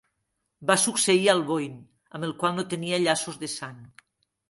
Va succeir a Alboin, amb el qual no tenia llaços de sang.